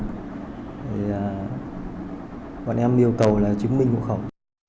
thì bọn em yêu cầu là chứng minh hộ khẩu